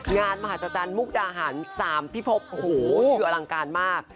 งานมหัศจรรย์มุกดาหาร๓พิภพชื่ออลังการมาก